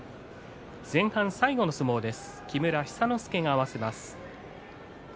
前半最後の相撲です。